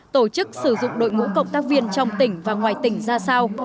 tổ chức sử dụng đội ngũ cộng tác viên trong tỉnh và ngoài tỉnh ra sao